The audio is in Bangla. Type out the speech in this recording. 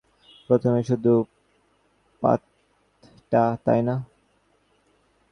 প্রথমে শুধু পাতটা, তাই না?